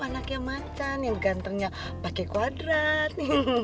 anaknya mancan yang gantengnya pakai kuadrat